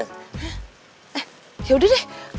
eh ya udah deh